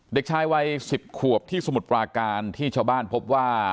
เด็กชายวัย๑๐ขวบที่สมุทรปราการที่ชาวบ้านพบว่า